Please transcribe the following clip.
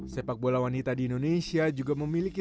sepak bola wanita di indonesia juga memiliki